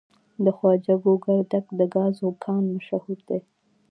د خواجه ګوګردک د ګازو کان مشهور دی.